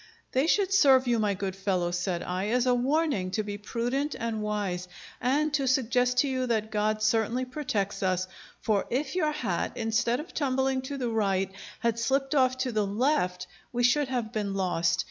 "They should serve you, my good fellow," said I, "as a warning to be prudent and wise, and to suggest to you that God certainly protects us; for if your hat, instead of tumbling to the right, had slipped off to the left, we should have been lost.